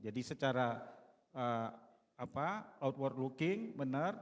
jadi secara outward looking benar